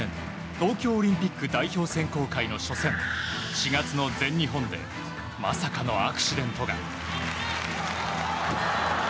東京オリンピック代表選考会の初戦４月の全日本でまさかのアクシデントが。